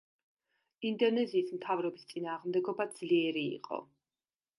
ინდონეზიის მთავრობის წინააღმდეგობა ძლიერი იყო.